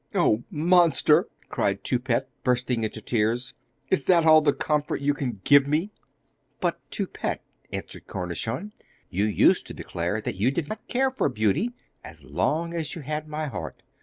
'Oh, monster!' cried Toupette, bursting into tears, 'is that all the comfort you can give me?' 'But, Toupette,' answered Cornichon, 'you used to declare that you did not care for beauty, as long as you had my heart.